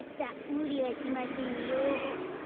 むりはしませんよ。